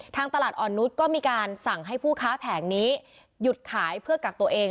ตลาดอ่อนนุษย์ก็มีการสั่งให้ผู้ค้าแผงนี้หยุดขายเพื่อกักตัวเอง